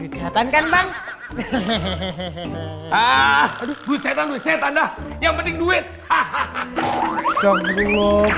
setan kan bang hehehe hehehe hehehe hehehe setan setan dah yang penting duit hahaha